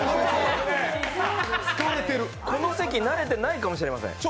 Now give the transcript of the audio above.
この席慣れていないかもしれません。